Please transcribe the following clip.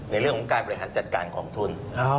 ในเรื่องของการบริหารจัดการกองทุน